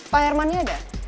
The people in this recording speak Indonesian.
pak hermannya ada